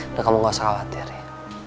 udah kamu gak usah khawatir ya